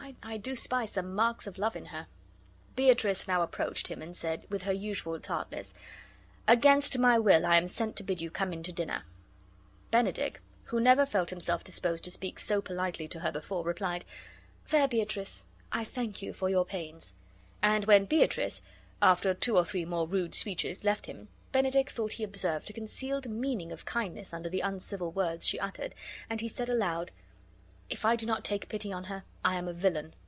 I do spy some marks of love in her." Beatrice now approached him and said, with her usual tartness, "Against my will I am sent to bid you come in to dinner." Benedick, who never felt himself disposed to speak so politely to her before, replied, "Fair Beatrice, I thank you for your pains." And when Beatrice, after two or three more rude speeches, left him, Benedick thought he observed a concealed meaning of kindness under the uncivil words she uttered, and he said aloud: "If I do not take pity on her, I am a villain.